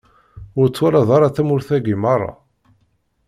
Ur twalaḍ ara tamurt-agi meṛṛa?